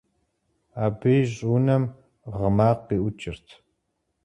Абы я щӀыунэм гъы макъ къиӏукӏырт.